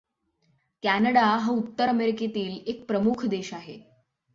Canada हा उत्तर अमेरिकेतील एक प्रमुख देश आहे.